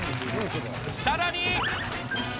さらに！